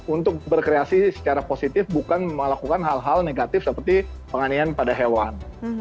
untuk berkreasi secara positif bukan melakukan hal hal negatif seperti penganian pada hewan